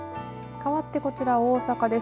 かわって、こちら大阪です。